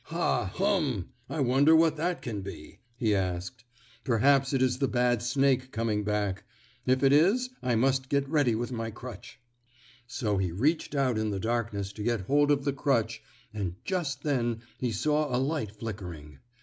"Ha, hum! I wonder what that can be?" he asked. "Perhaps it is the bad snake coming back. If it is I must get ready with my crutch." So he reached out in the darkness to get hold of the crutch and just then he saw a light flickering.